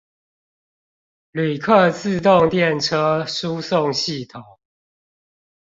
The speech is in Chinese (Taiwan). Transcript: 旅客自動電車輸送系統